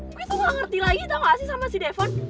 hiiih gue tuh gak ngerti lagi tau gak sih sama si devon